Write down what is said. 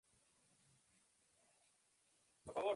El humor de Cho es, a menudo, explícito.